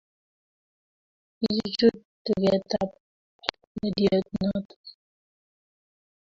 Ichuchuch tugetab rediot noto